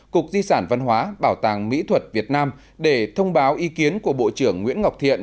cục di sản văn hóa bảo tàng mỹ thuật việt nam để thông báo ý kiến của bộ trưởng nguyễn ngọc thiện